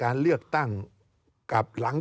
การเลือกตั้งครั้งนี้แน่